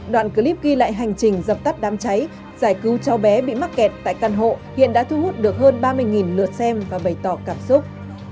đoạn clip ghi lại hành trình dập tắt đám cháy giải cứu cháu bé bị mắc kẹt tại căn hộ hiện đã thu hút được hơn ba mươi lượt xem và bày tỏ cảm xúc